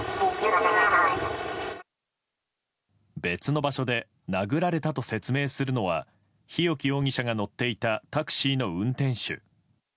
別の場所で殴られたと説明するのは日置容疑者が乗っていたタクシーの運転手。